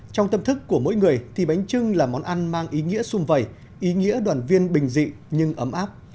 trong tâm thức của mỗi người thì bánh trưng là món ăn mang ý nghĩa xung vầy ý nghĩa đoàn viên bình dị nhưng ấm áp